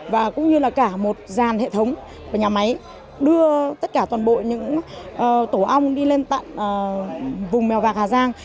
và cũng như là cả một dàn hệ thống của nhà máy đưa tất cả toàn bộ những tổ ong đi lên tận vùng mèo vạc hà giang